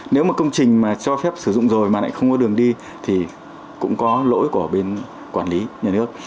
nếu mà công trình mà cho phép sử dụng rồi mà lại không có đường đi thì cũng có lỗi của bên quản lý nhà nước